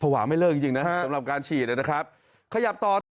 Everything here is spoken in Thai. ภาวะไม่เลิกจริงนะสำหรับการฉีดนะครับ